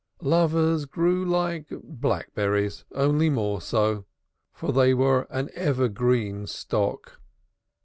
Lovers grew like blackberries only more so; for they were an evergreen stock.